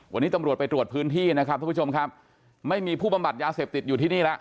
วันนี้ตำรวจไปตรวจพื้นที่นะครับทุกผู้ชมครับไม่มีผู้บำบัดยาเสพติดอยู่ที่นี่แล้ว